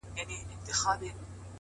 حُسنه دا عجيبه شانې کور دی لمبې کوي!!